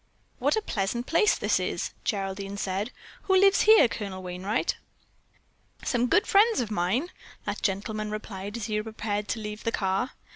"What a pleasant place this is," Geraldine said. "Who lives here, Colonel Wainright?" "Some good friends of mine," that gentleman replied as he prepared to leave the car.